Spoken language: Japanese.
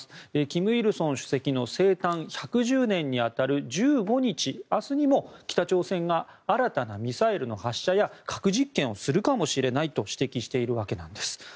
金日成主席の生誕１１０年に当たる１５日、明日にも北朝鮮が新たなミサイルの発射や核実験をするかもしれないと指摘しているわけです。